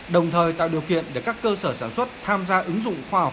đồng thời tạo điều kiện để các cơ sở sản xuất tham gia ứng dụng khoa học